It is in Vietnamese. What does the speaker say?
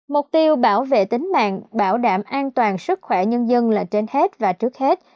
mục tiêu bảo vệ tính mạng bảo đảm an toàn sức khỏe nhân dân là trên hết và trước hết